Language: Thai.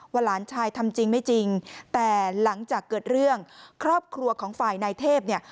หลานชายทำจริงไม่จริงแต่หลังจากเกิดเรื่องครอบครัวของฝ่ายนายเทพเนี่ย